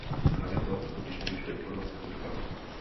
Právě to totiž odlišuje informace od reklamy.